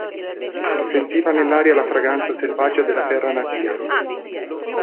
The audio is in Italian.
Sentiva nell'aria la fragranza selvaggia della terra natia.